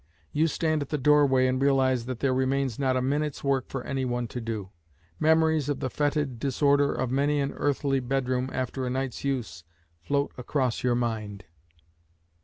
You stand at the doorway and realise that there remains not a minute's work for anyone to do. Memories of the foetid disorder of many an earthly bedroom after a night's use float across your mind.